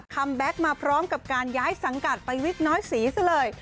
แบ็คมาพร้อมกับการย้ายสังกัดไปวิกน้อยสีซะเลย